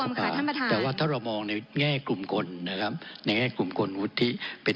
ท่านประธานแต่ว่าถ้าเรามองในแง่กลุ่มคนนะครับในแง่กลุ่มคนวุฒิเป็น